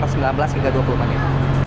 sekitar sembilan belas hingga dua puluh menit